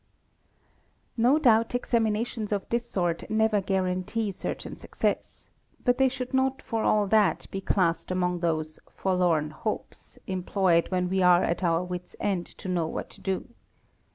No doubt examinations of this sort never guarantee certain success ; 'but they should not for all that be classed among those 'forlorn hopes "' employed when we are at our wit's end to know what to do.